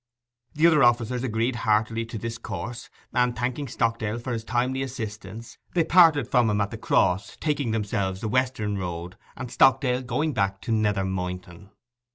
The other officers agreed heartily to this course; and, thanking Stockdale for his timely assistance, they parted from him at the Cross, taking themselves the western road, and Stockdale going back to Nether Moynton.